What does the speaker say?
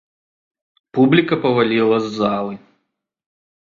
Публіка паваліла з залы.